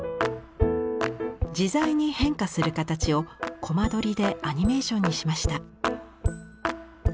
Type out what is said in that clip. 自在に変化する形をコマ撮りでアニメーションにしました。